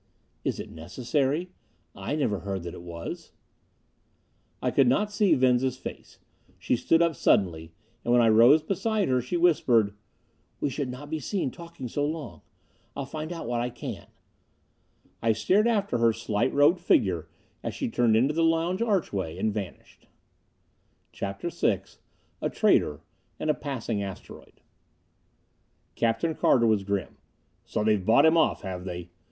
"Is it necessary? I never heard that it was." I could not see Venza's face; she stood up suddenly. And when I rose beside her, she whispered, "We should not be seen talking so long. I'll find out what I can." I stared after her slight robed figure as she turned into the lounge archway and vanished. CHAPTER VI A Traitor, and a Passing Asteroid Captain Carter was grim. "So they've bought him off, have they?